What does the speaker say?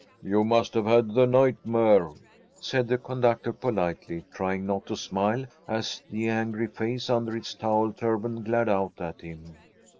"You must have had the nightmare," said the conductor, politely, trying not to smile as the angry face, under its towel turban, glared out at him.